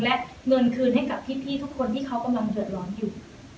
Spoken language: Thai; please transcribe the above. และเงินคืนให้กับพี่ทุกคนที่เขากำลังเดือดร้อนอยู่